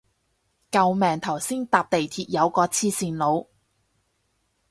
救命頭先搭地鐵有個黐線佬